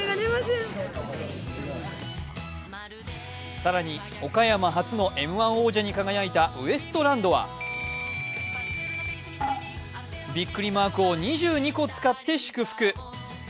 更に、岡山初のＭ−１王者に輝いたウエストランドはビックリマークを２２個使って祝福。